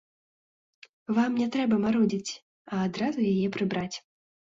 Вам не трэба марудзіць, а адразу яе прыбраць.